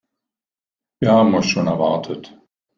Wir haben euch schon erwartet.